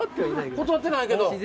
断ってないけど。